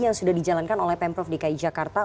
yang sudah dijalankan oleh pemprov dki jakarta